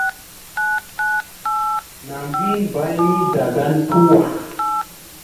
Nam hin mbaybni dagan tuwa.